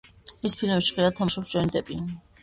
მის ფილმებში ხშირად თამაშობს ჯონი დეპი.